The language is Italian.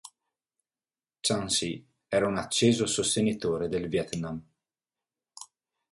Chan Sy era un acceso sostenitore del Vietnam.